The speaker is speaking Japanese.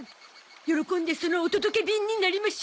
喜んでそのお届け便になりましょう。